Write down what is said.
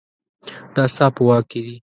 دا ستا په واک کې دي